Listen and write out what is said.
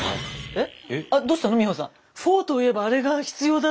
えっ！